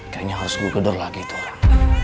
kayaknya harus gua gedor lagi itu orang